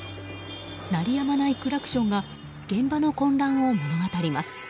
鳴りやまないクラクションが現場の混乱を物語ります。